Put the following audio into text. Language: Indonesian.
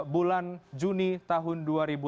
bulan juni tahun dua ribu lima belas